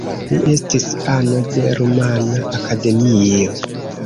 Li estis ano de Rumana Akademio.